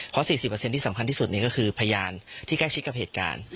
เพราะ๔๐ที่สำคัญที่สุดก็คือพยานที่ใกล้ชิดกับเหตุการณ์